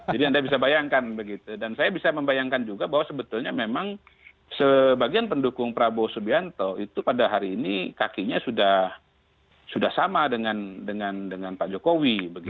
jadi anda bisa bayangkan begitu dan saya bisa membayangkan juga bahwa sebetulnya memang sebagian pendukung prabowo subianto itu pada hari ini kakinya sudah sama dengan pak jokowi